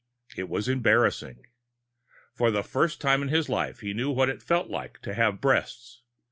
It was embarrassing. For the first time in his life, he knew what it felt like to have breasts.